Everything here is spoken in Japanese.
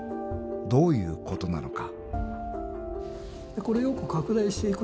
［どういうことなのか］